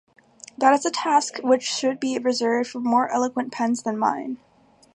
That is a task which should be reserved for more eloquent pens than mine.